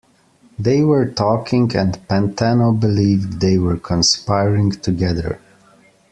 They were talking, and Pantano believed they were conspiring together.